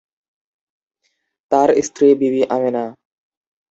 তার স্ত্রী বিবি আমেনা।